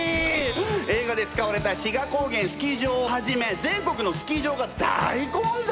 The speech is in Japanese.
映画で使われた志賀高原スキー場をはじめ全国のスキー場が大混雑！